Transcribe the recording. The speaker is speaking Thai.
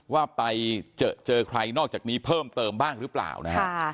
ว่าไปเจอใครนอกจากนี้เพิ่มเติมบ้างหรือเปล่านะฮะ